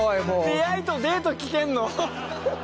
出会いとデート聞けるの？